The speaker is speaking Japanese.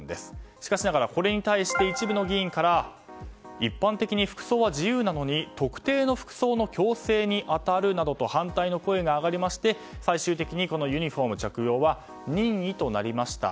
しかしながらこれに対して一部の議員から一般的に服装は自由なのに特定の服装の強制に当たるなどと反対の声が上がりまして最終的にユニホーム着用は任意となりました。